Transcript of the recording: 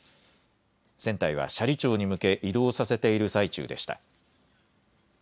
船体は斜里町に向け移動させている最中でした。